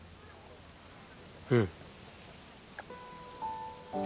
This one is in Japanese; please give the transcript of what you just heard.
うん。